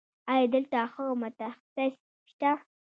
ایا دلته ښه متخصص شته؟